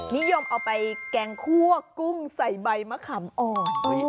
นิยมเอาไปแกงคั่วกุ้งใส่ใบมะขามอ่อน